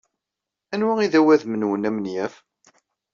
Anwa ay d awadem-nwen amenyaf?